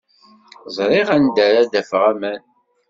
Ẓriɣ anda ara d-afeɣ aman.